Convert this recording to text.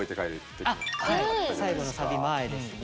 最後のサビ前ですね。